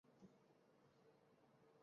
বেদে নরকের কোন প্রসঙ্গ নাই।